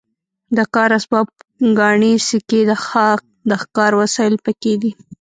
د کار اسباب ګاڼې سکې د ښکار وسایل پکې دي.